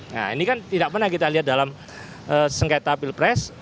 nah ini kan tidak pernah kita lihat dalam sengketa pilpres